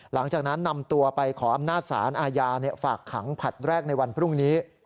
หลังจากนั้นนำตัวไปขออำนาจศาลอาญาฝากขังผลัดแรกในวันพรุ่งนี้